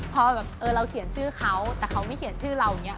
พอแบบเออเราเขียนชื่อเขาแต่เขาไม่เขียนชื่อเราอย่างนี้